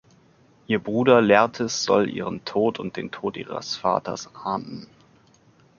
Ihr Bruder Laertes soll ihren Tod und den Tod ihres Vaters ahnden.